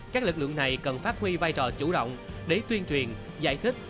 các lực lượng này cần phát huy vai trò chủ động để tuyên truyền giải thích